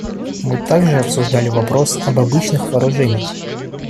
Мы также обсуждали вопрос об обычных вооружениях.